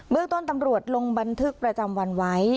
เมืองต้นตำรวจลงบันทึกประจำวันไว้